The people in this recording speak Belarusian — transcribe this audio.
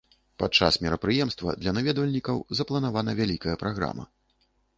Падчас мерапрыемства для наведвальнікаў запланавана вялікая праграма.